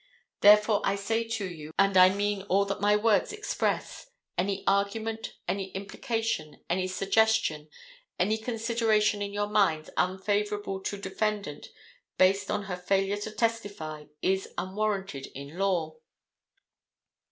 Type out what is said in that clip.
Therefore I say to you, and I mean all that my words express, any argument, any implication, any suggestion, any consideration in your minds unfavorable to defendant, based on her failure to testify, is unwarranted in law.